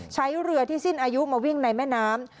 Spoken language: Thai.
ใช้เรือที่สิ้นอายุมาวิ่งในแม่น้ำ